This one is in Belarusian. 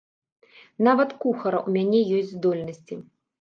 Нават кухара ў мяне ёсць здольнасці.